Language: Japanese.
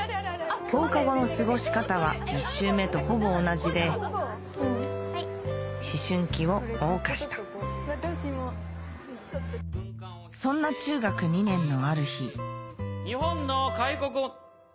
放課後の過ごし方は１周目とほぼ同じで思春期を謳歌したそんな中学２年のある日日本の開国を。